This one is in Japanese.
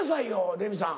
レミさん。